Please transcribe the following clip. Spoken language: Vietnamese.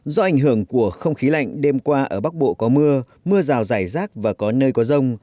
do ảnh hưởng của không khí lạnh đêm qua ở bắc bộ có mưa mưa rào rải rác và có nơi có rông